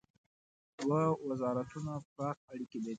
دوه وزارتونه پراخ اړیکي لري.